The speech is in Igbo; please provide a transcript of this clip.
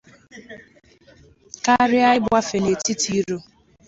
karịa ịgbafe n'etiti iro